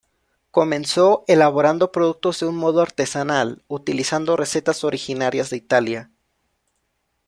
Comenzó elaborando productos de un modo artesanal, utilizando recetas originarias de Italia.